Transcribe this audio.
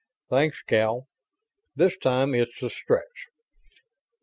"Thanks, gal. This time it's the Stretts.